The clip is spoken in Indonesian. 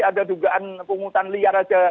ada dugaan pungutan liar aja